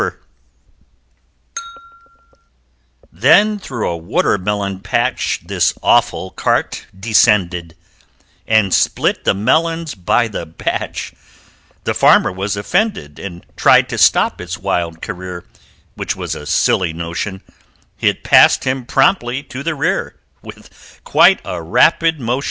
Then through a Watermelon patch This awful cart descended, And split the melons by the batch The Farmer was offended And tried to stop its wild career, Which was a silly notion It passed him promptly to the rear With quite a rapid motion!